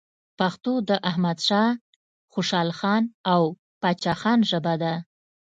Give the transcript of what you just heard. پښتو د احمد شاه خوشحالخان او پاچا خان ژبه ده.